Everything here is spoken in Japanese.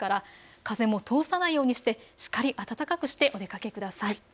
風を通さないようにしてしっかり暖かくしてお出かけしてください。